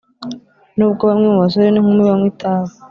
N’ubwo bamwe mu basore n’inkumi banywa itabi